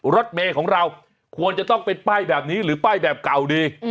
รถเมย์ของเราควรจะต้องเป็นป้ายแบบนี้หรือป้ายแบบเก่าดี